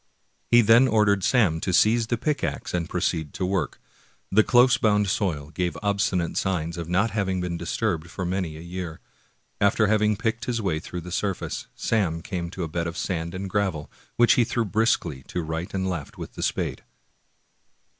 He then or dered Sam to seize the pickax and proceed to work. The close bound soil gave obstinate signs of not having been disturbed for many a year. After having picked his way through the surface, Sam came to a bed of sand and gravel, which he threw briskly to right and left with the spade.